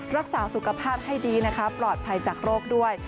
รักษาสุขภาพให้ดีนะคะปลอดภัยจากโรคด้วย